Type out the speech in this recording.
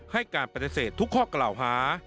ให้การปฏิเสธทุกข้อกล่าวหา